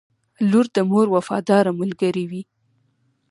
• لور د مور وفاداره ملګرې وي.